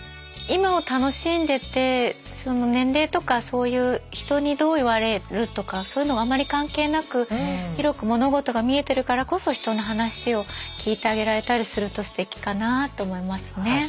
今を楽しんでて年齢とかそういう人にどう言われるとかそういうのがあんまり関係なく広く物事が見えてるからこそ人の話を聞いてあげられたりするとステキかなあと思いますね。